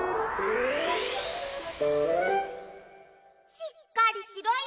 しっかりしろよ！